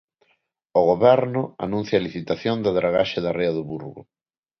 O Goberno anuncia a licitación da dragaxe da ría do Burgo.